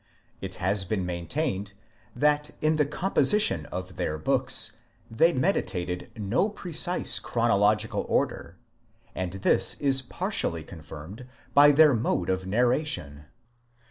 It has been main tained that, in the composition of their books, they meditated no precise chronological order,* and this is partially confirmed by their mode of narra tion.